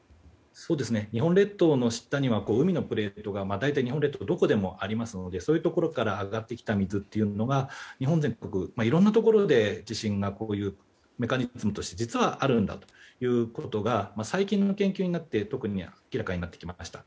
日本列島の下には海のプレートがどこでもありますのでそういうところから上がってきた水というものが日本全国いろいろなところで地震がメカニズムとして実はあるということが最近の研究になって特に明らかになってきました。